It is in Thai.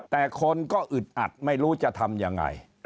แต่คนก็อึดอัดไม่รู้จะทำยังไง